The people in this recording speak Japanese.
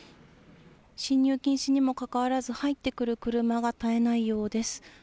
進入禁止にもかかわらず、入ってくる車が絶えないようです。